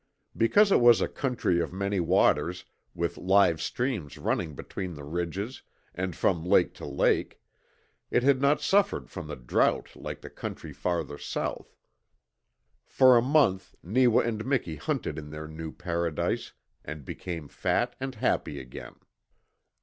Because it was a country of many waters, with live streams running between the ridges and from lake to lake, it had not suffered from the drought like the country farther south. For a month Neewa and Miki hunted in their new paradise, and became fat and happy again.